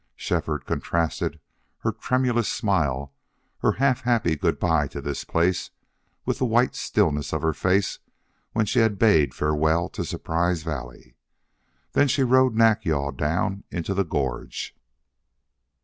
Shefford contrasted her tremulous smile, her half happy good by to this place, with the white stillness of her face when she had bade farewell to Surprise Valley. Then she rode Nack yal down into the gorge.